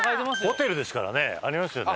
ホテルですからねありますよね。